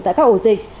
tại các ổ dịch